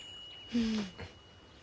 うん。